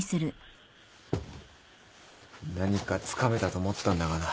何かつかめたと思ったんだがな。